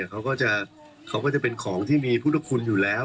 เขาก็จะเป็นของที่มีพุทธคุณอยู่แล้ว